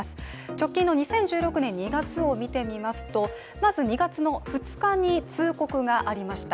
直近の２０１６年２月を見てみますとまず２月２日に通告がありました。